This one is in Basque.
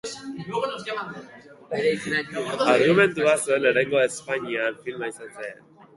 Argumentua zuen lehenengo espainiar filma izan zen.